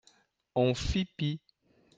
On fit pis.